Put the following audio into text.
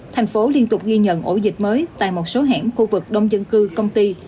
thành phố liên tục ghi nhận ổ dịch mới tại một số hẻm khu vực đông dân cư công ty